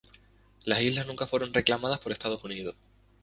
Las islas nunca fueron reclamadas por Estados Unidos.